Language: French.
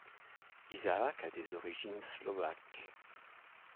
Isaac a des origines slovaque.